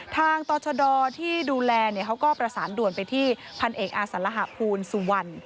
ต่อชดที่ดูแลเขาก็ประสานด่วนไปที่พันเอกอาสารหภูมิสุวรรณ